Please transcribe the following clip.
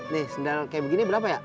nih sendal kayak begini berapa ya